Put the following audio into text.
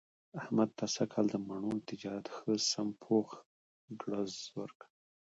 احمد ته سږ کال د مڼو تجارت ښه سم پوخ ګړز ورکړ.